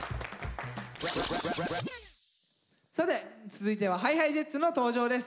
さて続いてはＨｉＨｉＪｅｔｓの登場です。